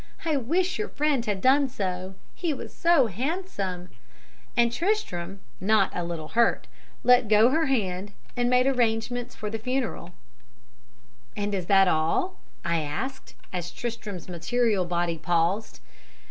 I wish your friend had done so, he was so handsome,' and Tristram, not a little hurt, let go her hand, and made arrangements for the funeral." "And is that all?" I asked, as Tristram's material body paused.